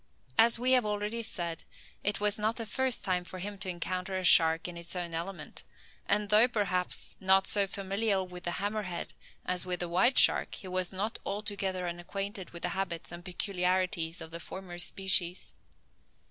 As we have already said, it was not the first time for him to encounter a shark in its own element; and though, perhaps, not so familial with the hammer head as with the white shark, he was not altogether unacquainted with the habits and peculiarities of the former species.